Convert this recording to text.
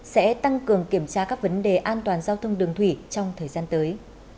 sẽ tăng cường kiểm tra các vấn đề an toàn giao thông đường thủy trong thời gian tới